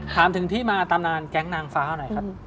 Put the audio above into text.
ถามถึงที่มาตำนานแก๊งนางฟ้าหน่อยครับ